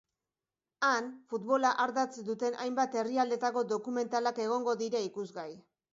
Han, futbola ardatz duten hainbat herrialdetako dokumentalak egongo dira ikusgai.